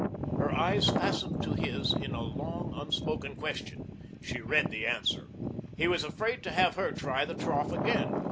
Her eyes fastened to his in a long, unspoken question. She read the answer. He was afraid to have her try the trough again.